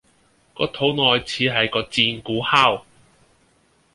個肚內似係個戰鼓敲